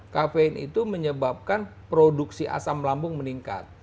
kafein itu menyebabkan produksi asam lambung meningkat